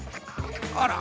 あら！